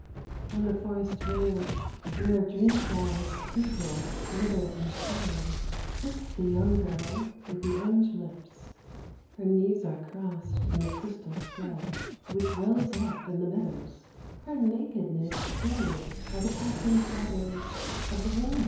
On the fi ■ where dream flowers tmkle, glitter and shine — sits the young girl with the orange lips. I [er knees are crossed in th< crystal flood which wells up m the meadows, her naked] shadows of the rainbo